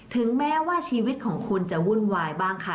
ถึงแม้ว่าชีวิตของคุณจะวุ่นวายบ้างค่ะ